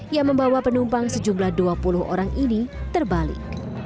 yang membawa penumpang sejumlah dua puluh orang ini terbalik